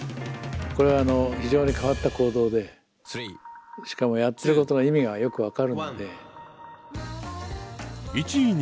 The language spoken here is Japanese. これは非常に変わった行動でしかもやってることの意味がよく分かるので。